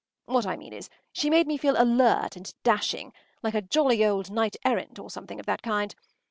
What I mean is, she made me feel alert and dashing, like a jolly old knight errant or something of that kind.